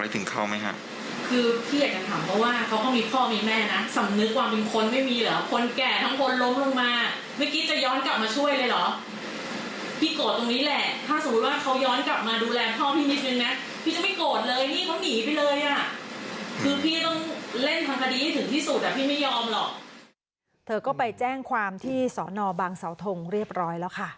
เธอก็ไปแจ้งความที่สอนอบางเสาทงเรียบร้อยแล้วค่ะ